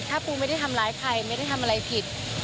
ถ้าปูไม่ได้ทำร้ายใครไม่ได้ทำอะไรผิด